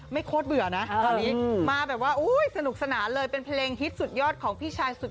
ไม่เข้าเบื่อนะมาแบบว่าอู้สนุกสนานเลยเป็นเพลงฮิตสุดยอดของพี่ชายสุด